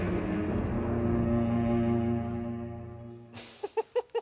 フフフフ。